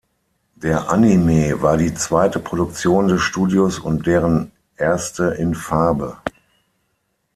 Der Anime war die zweite Produktion des Studios und deren erste in Farbe.